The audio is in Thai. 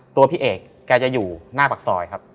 ตัวพี่เอกแกจะอยู่หน้าปากซอย